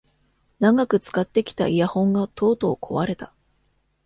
長く使ってきたイヤホンがとうとう壊れた